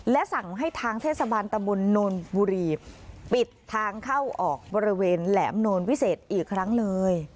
และสั่งให้ทางเทศบาลตำบลโนนบุรีปิดทางเข้าออกบริเวณแหลมโนลวิเศษอีกครั้งเลย